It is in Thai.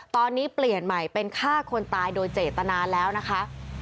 ตอนนี้เปลี่ยนใหม่เป็นฆ่าคนตายโดยเจตนาแล้วนะคะ